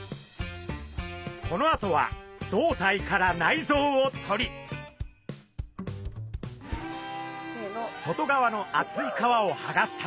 このあとは胴体から内臓を取り外側の厚い皮をはがしたら。